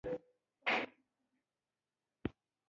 وزې شیدې ډېرې مغذي دي